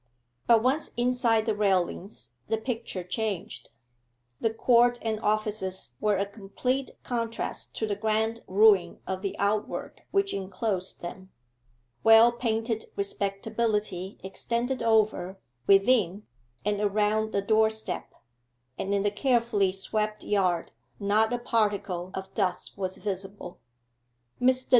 But once inside the railings the picture changed. The court and offices were a complete contrast to the grand ruin of the outwork which enclosed them. Well painted respectability extended over, within, and around the doorstep; and in the carefully swept yard not a particle of dust was visible. Mr.